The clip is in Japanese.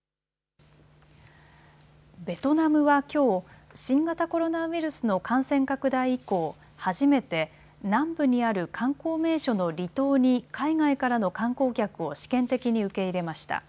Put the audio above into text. ベトナムはきょう、新型コロナウイルスの感染拡大以降、初めて南部にある観光名所の離島に海外からの観光客を試験的に受け入れました。